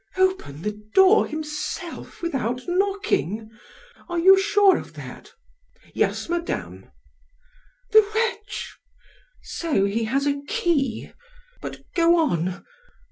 "Open the door himself, without knocking! Are you sure of that?" "Yes, madame." "The wretch! So he has a key! But, go on."